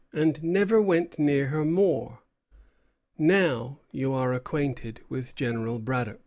and never went near her more. Now you are acquainted with General Braddock."